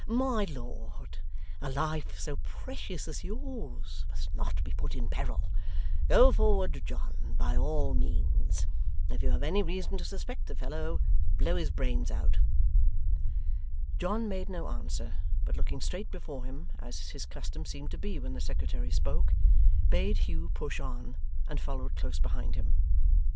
'My lord, a life so precious as yours must not be put in peril. Go forward, John, by all means. If you have any reason to suspect the fellow, blow his brains out.' John made no answer, but looking straight before him, as his custom seemed to be when the secretary spoke, bade Hugh push on, and followed close behind him.